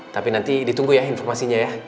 tapi nanti ditunggu ya informasinya ya